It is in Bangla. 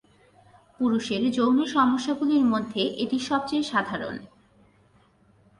পুরুষের যৌন সমস্যাগুলির মধ্যে এটি সবচেয়ে সাধারণ।